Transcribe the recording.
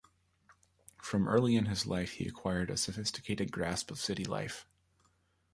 From early in his life he acquired a sophisticated grasp of city life.